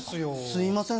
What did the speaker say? すいません